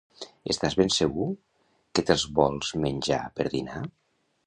Estàs ben segur que te'l vols menjar per dinar?